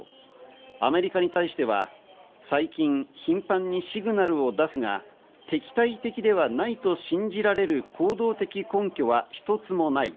アメリカに対しては最近、頻繁にシグナルを出すが、敵対的ではないと信じられる行動的根拠は一つもない。